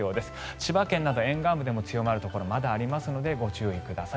千葉県など沿岸部でも強まるところがまだありますのでご注意ください。